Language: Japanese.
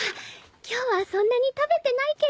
今日はそんなに食べてないけど。